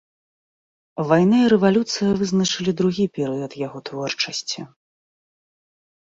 Вайна і рэвалюцыя вызначылі другі перыяд яго творчасці.